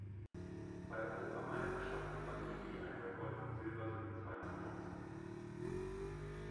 Bei Europameisterschaften gewann er je einmal Gold und Silber sowie zweimal Bronze.